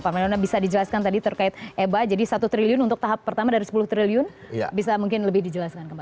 pak menana bisa dijelaskan tadi terkait eba jadi satu triliun untuk tahap pertama dari sepuluh triliun bisa mungkin lebih dijelaskan kembali